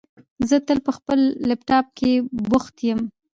زه تل په خپل لپټاپ کېښې بوښت یم